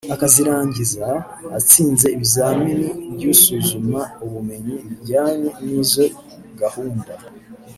akazirangiza atsinze ibizamini by’isuzuma-bumenyi bijyanye n’izo gahunda ;